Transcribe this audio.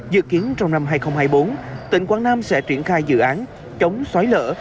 dự kiến trong năm hai nghìn hai mươi bốn tỉnh quảng nam sẽ triển khai dự án chống xói lở